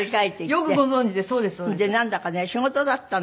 よくご存じでそうですそうです。